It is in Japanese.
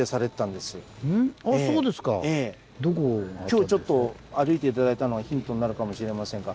今日歩いて頂いたのがヒントになるかもしれませんが。